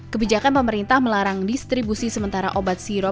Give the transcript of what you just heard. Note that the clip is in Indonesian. kebijakan pemerintah melarang distribusi sementara obat sirop kepada masyarakat